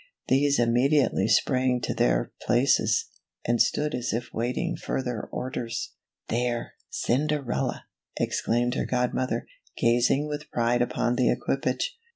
These immediately sprang to their places, and stood as if awaiting further orders. " There, Cinderella !" exclaimed her godmother, gazing with pride upon the equipage.